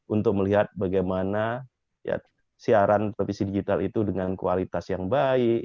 untuk melihat bagaimana siaran televisi digital itu dengan kualitas yang baik